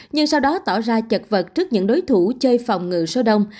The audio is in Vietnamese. nhưng sau đó tỏ ra chật vật trước những đối thủ chơi phòng ngựa sâu đông